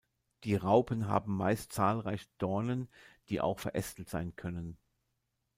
Die Raupen haben meist zahlreiche Dornen, die auch verästelt sein können.